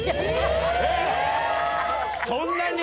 そんなに？